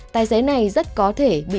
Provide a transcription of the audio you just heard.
tài xế này rất có thể bị xử lý